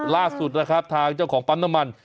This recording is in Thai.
ล่าสุดนะครับทางเจ้าของปั๊มน้ำมัน